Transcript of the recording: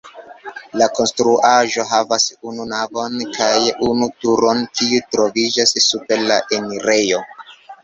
La konstruaĵo havas unu navon kaj unu turon, kiu troviĝas super la enirejo.